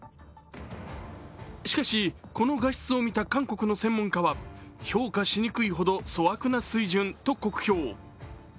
しかし、この画質を見た韓国の専門家は評価しにくいほど粗悪な水準と酷評。